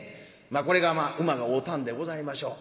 これがまあ馬が合うたんでございましょう。